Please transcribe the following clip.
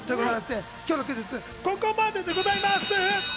今日のクイズッス、ここまででございます。